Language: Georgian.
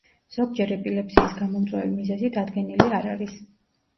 ზოგჯერ ეპილეფსიის გამომწვევი მიზეზი დადგენილი არ არის.